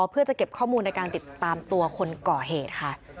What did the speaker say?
เพื่อจะเก็บข้อมูลในการติดตามตัวคนก่อเหตุค่ะ